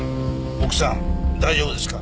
奥さん大丈夫ですか？